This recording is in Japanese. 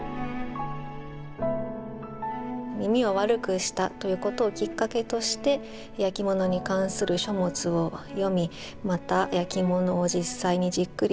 耳を悪くしたということをきっかけとして焼き物に関する書物を読みまた焼き物を実際にじっくり見る。